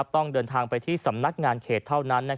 ต้องเดินทางไปที่สำนักงานเขตเท่านั้น